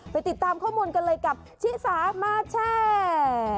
ติดตามข้อมูลกันเลยกับชิสามาแชร์